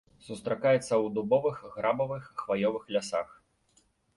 Сустракаецца ў дубовых, грабавых, хваёвых лясах.